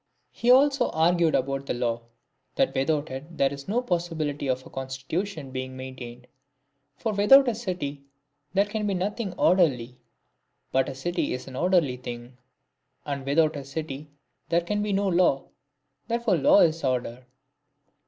He also argued about the law, that without it there is no possibility of a constitution being maintained ; for without a city there can be nothing orderly, but a city is an orderly thing; and without a city there can be no law ; therefore law is order.